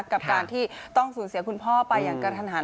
กับการที่ต้องสูญเสียคุณพ่อไปอย่างกระทันหัน